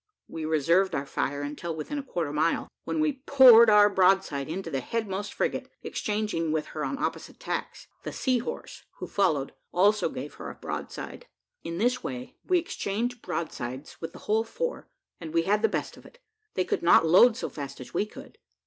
We reserved our fire until within a quarter of a mile, when we poured our broadside into the headmost frigate, exchanging with her on opposite tacks. The Sea horse, who followed, also gave her a broadside. In this way we exchanged broadsides with the whole four, and we had the best of it, they could not load so fast as we could.